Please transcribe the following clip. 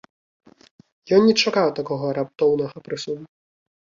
Ён не чакаў такога раптоўнага прысуду.